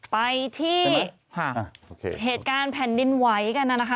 ไปที่เหตุการณ์แผ่นดินไหวกันนะคะ